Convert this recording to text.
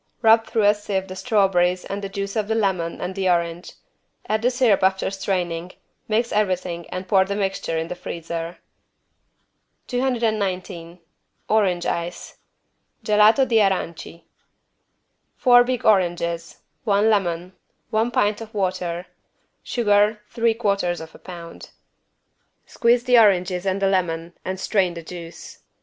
Rub through a sieve the strawberries and the juice of the lemon and the orange: add the syrup after straining, mix everything and pour the mixture in the freezer. 219 ORANGE ICE (Gelato di aranci) Four big oranges. One lemon. One pint of water. Sugar, 3/4 lb. Squeeze the oranges and the lemon and strain the juice.